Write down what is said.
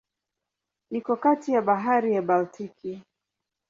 Iko kati ya Bahari ya Baltiki.